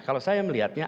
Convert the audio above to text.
kalau saya melihatnya